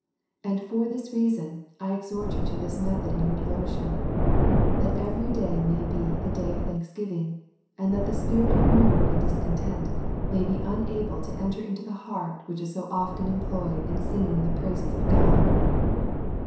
And for this reason I exhort you to this method in your devotion, that every day may be made a day of thanksgiving, and that tlie spirit of murmur and dis content may be unable to enter into the heart, which is so often employed in singing the praises of God.